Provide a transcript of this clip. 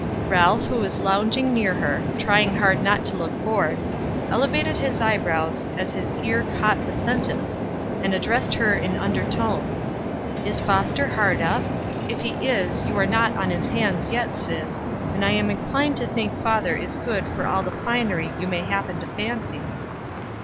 Ralph, who was lounging near her, trying hard not to look bored, elevated his eyebrows as his ear caught the sentence, and addressed her in undertone: "Is Foster hard up? If he is, you are not on his hands yet, Sis; and I'm inclined to think father is good for all the finery you may happen to fancy."